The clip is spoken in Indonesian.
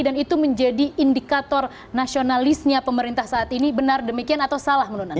dan itu menjadi indikator nasionalisnya pemerintah saat ini benar demikian atau salah menurut anda